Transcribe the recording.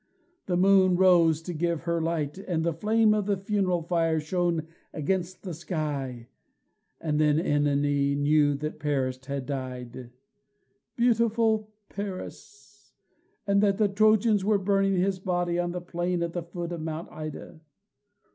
The moon rose to give her light, and the flame of the funeral fire shone against the sky, and then OEnone knew that Paris had died beautiful Paris and that the Trojans were burning his body on the plain at the foot of Mount Ida.